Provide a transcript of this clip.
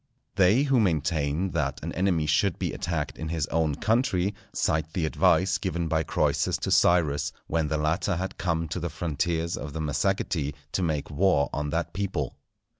They who maintain that an enemy should be attacked in his own country, cite the advice given by Croesus to Cyrus, when the latter had come to the frontiers of the Massagetæ to make war on that people.